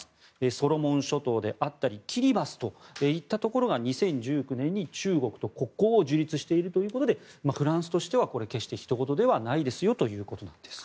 ソロモン諸島であったりキリバスといったところが２０１９年に中国と国交を樹立しているということでフランスとしては決してひと事ではないということです。